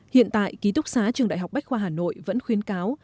hiện tại ký túc xá trường đại học bách khoa hà nội vẫn khuyến cáo